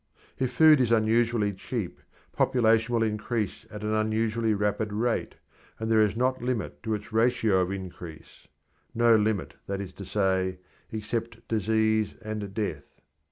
If food is unusually cheap, population will increase at an unusually rapid rate, and there is not limit to its ratio of increase no limit, that is to say, except disease and death.